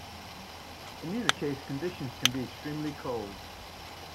In either case conditions can be extremely cold.